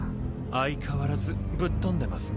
相変わらずぶっ飛んでますね。